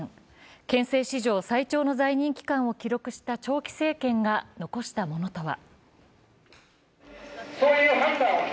憲政史上最長の在任期間を記録した長期政権が残したものとは。